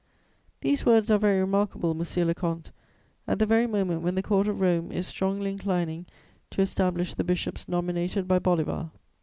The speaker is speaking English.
"These words are very remarkable, monsieur le comte, at the very moment when the Court of Rome is strongly inclining to establish the bishops nominated by Bolivar.